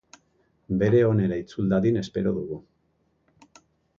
Bere onera itzul dadin espero dugu.